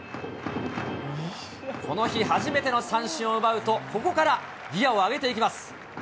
この日初めての三振を奪うと、ここからギアを上げていきます。